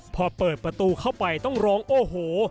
พอเปิดประตูเข้าไปต้องร้องโอ้โห